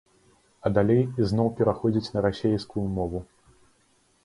А далей ізноў пераходзіць на расейскую мову.